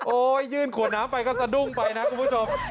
ยื่นขวดน้ำไปก็สะดุ้งไปนะคุณผู้ชม